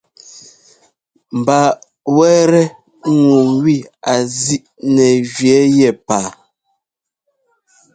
Mba wɛ́tɛ́ ŋu wi a zíʼnɛ́ jʉ́ɛ́ yɛ paa.